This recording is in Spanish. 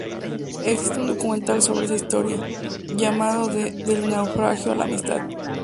Existe un documental sobre esa historia, llamado de "Del naufragio a la amistad".